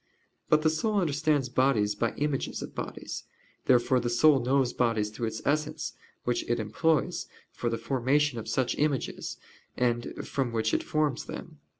But the soul understands bodies by images of bodies. Therefore the soul knows bodies through its essence, which it employs for the formation of such images, and from which it forms them.